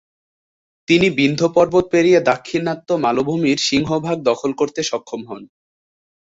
তিনি বিন্ধ্য পর্বত পেরিয়ে দাক্ষিণাত্য মালভূমির সিংহভাগ দখল করতে সক্ষম হন।